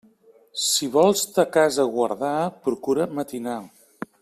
Si vols ta casa guardar, procura matinar.